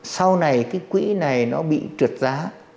sau này cái quỹ này nó bị trượt giá